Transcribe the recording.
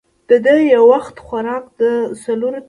د ده یو وخت خوراک د څلورو تنو لپاره بس وو.